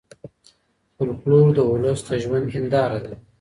فولکلور د ولس د ژوند هنداره ده.